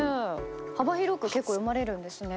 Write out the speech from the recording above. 幅広く結構読まれるんですね。